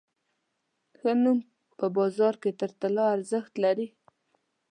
ښه نوم په بازار کې تر طلا ارزښت لري.